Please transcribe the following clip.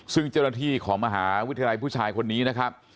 ซึ่งเจ้าหน้าที่ของมหาวิทยาลัยผู้ชายคนนี้นะครับ